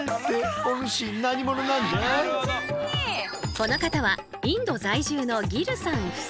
この方はインド在住のギルさん夫妻。